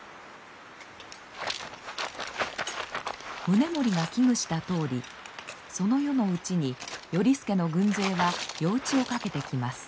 宗盛が危惧したとおりその夜のうちに頼資の軍勢は夜討ちをかけてきます。